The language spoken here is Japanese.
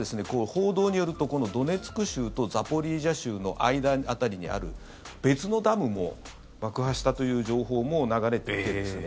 報道によるとこのドネツク州とザポリージャ州の間辺りにある別のダムも爆破したという情報も流れてきてるんですね。